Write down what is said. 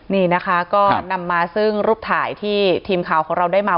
นี่นะคะก็นำมาซึ่งรูปถ่ายที่ทีมข่าวของเราได้มา